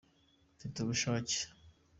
Mfite ubushake.